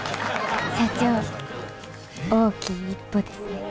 社長大きい一歩ですね。